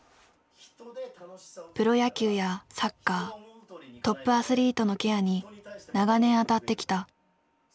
プロ野球やサッカートップアスリートのケアに長年当たってきた。